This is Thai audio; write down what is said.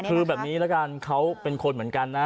คือแบบนี้ละกันเขาเป็นคนเหมือนกันนะ